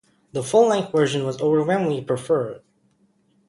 The full-length version was overwhelmingly preferred.